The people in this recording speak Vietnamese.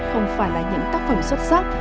không phải là những tác phẩm xuất sắc